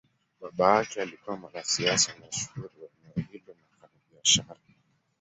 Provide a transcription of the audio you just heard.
Baba yake alikuwa mwanasiasa mashuhuri wa eneo hilo na mfanyabiashara.